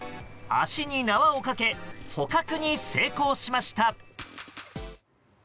足に縄をかけ捕獲に成功しました。